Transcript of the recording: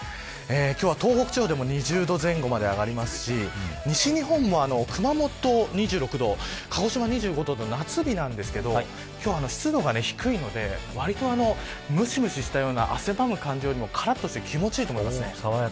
今日は東北地方でも２０度前後まで上がりますし西日本も、熊本２６度鹿児島２５度と夏日なんですけど今日は湿度が低いのでわりとむしむししたような汗ばむ感じよりもからっとして気持ち良いと思いますね。